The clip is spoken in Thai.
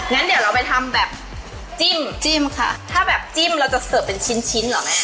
งั้นเดี๋ยวเราไปทำแบบจิ้มจิ้มค่ะถ้าแบบจิ้มเราจะเสิร์ฟเป็นชิ้นชิ้นเหรอแม่